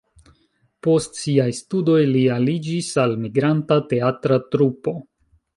Post siaj studoj li aliĝis al migranta teatra trupo.